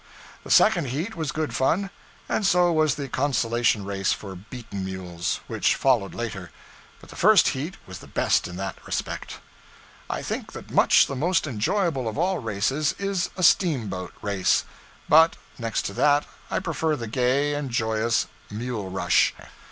The second heat was good fun; and so was the 'consolation race for beaten mules,' which followed later; but the first heat was the best in that respect. I think that much the most enjoyable of all races is a steamboat race; but, next to that, I prefer the gay and joyous mule rush.